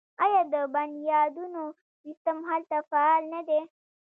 آیا د بنیادونو سیستم هلته فعال نه دی؟